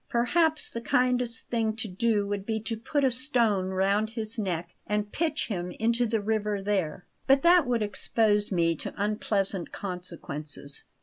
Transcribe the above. Perhaps the kindest thing to do would be to put a stone round his neck and pitch him into the river there; but that would expose me to unpleasant consequences.